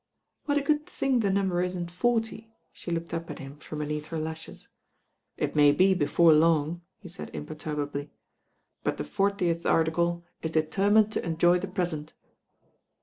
"What a good thing the number isn't forty." She looked up at him from beneath her lashes. "It may be before long," he said imperturbably, but the Fortieth Article is determined to enjoy the present."